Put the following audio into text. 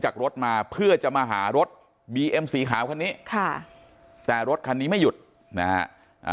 จากรถมาเพื่อจะมาหารถบีเอ็มสีขาวคันนี้ค่ะแต่รถคันนี้ไม่หยุดนะฮะ